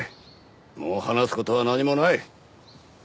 もう話す事は何もない。